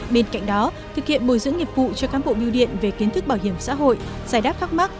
bên cạnh đó thực hiện bồi dưỡng nghiệp vụ cho cán bộ biêu điện về kiến thức bảo hiểm xã hội giải đáp khắc mắc